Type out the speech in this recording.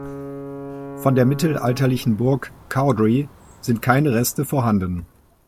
Von der mittelalterlichen Burg Coudray sind keine Reste vorhanden.